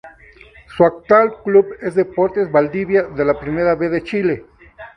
Su actual club es Deportes Valdivia de la Primera B de Chile.